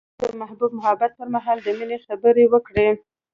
هغه د محبوب محبت پر مهال د مینې خبرې وکړې.